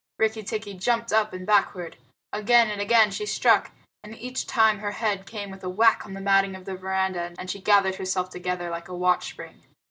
Rikki tikki jumped up and backward. Again and again and again she struck, and each time her head came with a whack on the matting of the veranda and she gathered herself together like a watch spring.